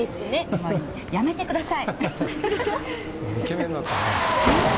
もうやめてください！